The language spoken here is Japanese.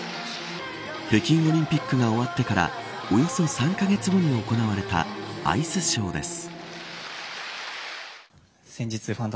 北京オリンピックが終わってからおよそ３カ月後に行われたアイスショーです。